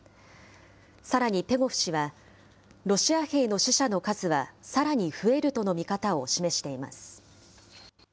さらにペゴフ氏は、ロシア兵の死者の数は、さらに増えるとの見方を示しています。